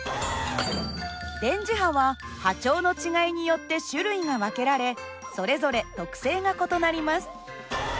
電磁波は波長の違いによって種類が分けられそれぞれ特性が異なります。